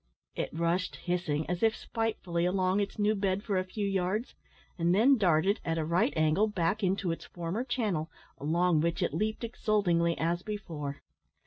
It rushed hissing, as if spitefully, along its new bed for a few yards, and then darted, at a right angle, back into its former channel, along which it leaped exultingly as before.